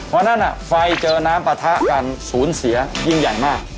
เพราะฉะนั้นไฟเจอน้ำปะทะกันสูญเสียยิ่งใหญ่มาก